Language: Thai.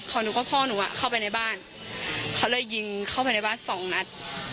หนูก็พ่อหนูอ่ะเข้าไปในบ้านเขาเลยยิงเข้าไปในบ้านสองนัด